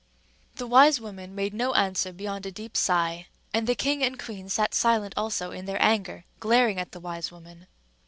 The wise woman made no answer beyond a deep sigh; and the king and queen sat silent also in their anger, glaring at the wise woman.